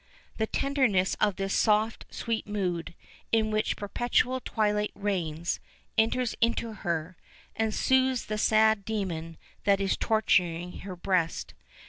The tenderness of this soft, sweet mood, in which perpetual twilight reigns, enters into her, and soothes the sad demon that is torturing her breast.